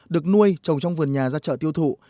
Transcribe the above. được nuôi trồng trong vườn nhà ra chợ tiêu thụ